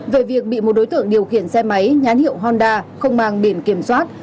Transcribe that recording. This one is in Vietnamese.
về việc bị một đối tượng điều khiển xe máy nhán hiệu honda không mang điểm kiểm soát